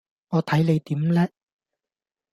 我睇你點叻